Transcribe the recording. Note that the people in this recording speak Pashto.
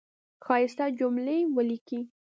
ښایسته جملی ولیکی